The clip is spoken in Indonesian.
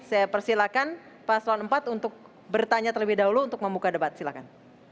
saya persilahkan paslon empat untuk bertanya terlebih dahulu untuk membuka debat silahkan